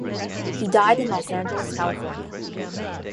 He died in Los Angeles, California.